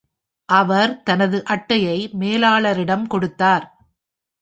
அவர் தனது அட்டையை மேலாளரிடம் கொடுத்தார்.